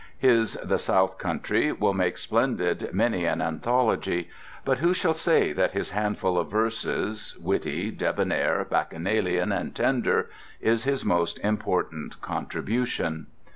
His "The South Country" will make splendid many an anthology. But who shall say that his handful of verses, witty, debonair, bacchanalian, and tender, is his most important contribution?